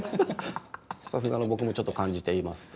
さすがの僕もちょっと感じていますと。